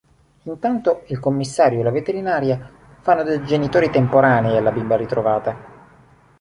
Intanto il commissario e la veterinaria fanno da genitori temporanei alla bimba ritrovata.